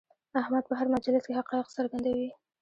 احمد په هر مجلس کې حقایق څرګندوي.